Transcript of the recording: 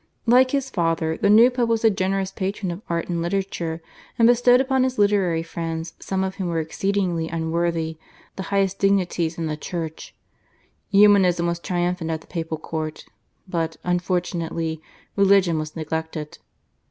Like his father, the new Pope was a generous patron of art and literature, and bestowed upon his literary friends, some of whom were exceedingly unworthy, the highest dignities in the Church. Humanism was triumphant at the Papal Court, but, unfortunately, religion was neglected.